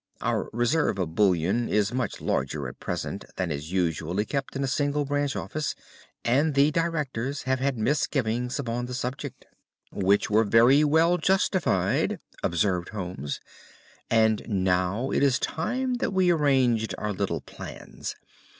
Our reserve of bullion is much larger at present than is usually kept in a single branch office, and the directors have had misgivings upon the subject." "Which were very well justified," observed Holmes. "And now it is time that we arranged our little plans.